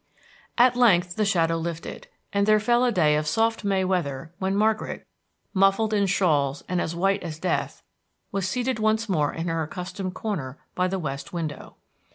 At length the shadow lifted, and there fell a day of soft May weather when Margaret, muffled in shawls and as white as death, was seated once more in her accustomed corner by the west window.